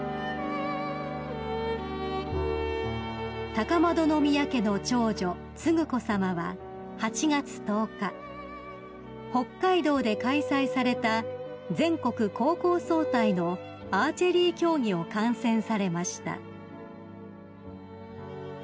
［高円宮家の長女承子さまは８月１０日北海道で開催された全国高校総体のアーチェリー競技を観戦されました］